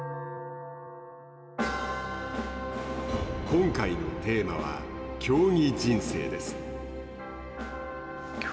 今回のテーマは「競技人生」です。